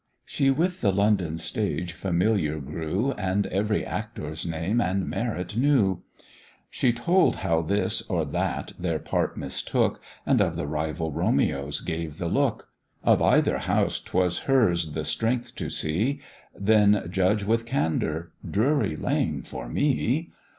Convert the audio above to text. She with the London stage familiar grew, And every actor's name and merit knew; She told how this or that their part mistook, And of the rival Romeos gave the look; Of either house 'twas hers the strength to see, Then judge with candour "Drury Lane for me."